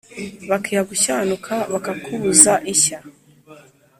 Bakiha gushyanuka Bakakubuza ishya